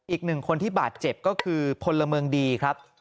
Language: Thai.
อีกหนึ่งคนที่บาดเจ็บก็คือพลเมืองดีครับ